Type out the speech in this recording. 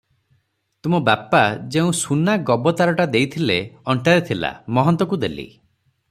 ତୁମ ବାପା ଯେଉଁ ସୁନା ଗବତାରଟା ଦେଇଥିଲେ, ଅଣ୍ଟାରେ ଥିଲା, ମହନ୍ତକୁ ଦେଲି ।